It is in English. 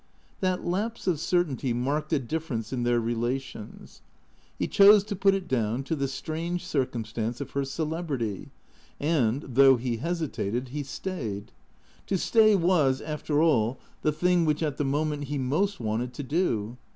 That lapse of certainty marked a difference in their relations. He chose to put it down to the strange circumstance of her celebrity; and, though he hesitated, he stayed. To stay was. THE CEEATORS 5 after all, the thing which at the moment he most wanted to do.